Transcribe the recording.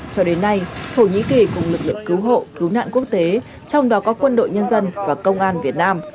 cho đến nay thổ nhĩ kỳ cùng lực lượng cứu hộ cứu nạn quốc tế trong đó có quân đội nhân dân và công an việt nam